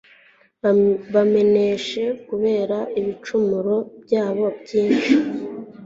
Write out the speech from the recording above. Bameneshe kubera ibicumuro byabo byinshi